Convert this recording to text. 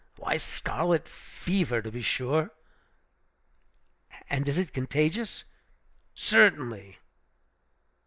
Why, scarlet fever, to be sure." "And is it contagious?" "Certainly!"